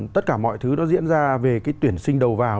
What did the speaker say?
tất cả mọi thứ nó diễn ra về cái tuyển sinh đầu vào